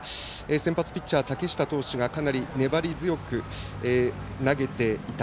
先発ピッチャー、竹下投手がかなり粘り強く投げていた。